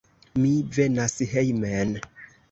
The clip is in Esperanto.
Mi venas hejmen.